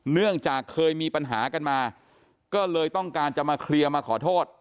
เนื่องจากเคยมีปัญหากันมาก็เลยต้องการจะมาเคลียร์มาขอโทษ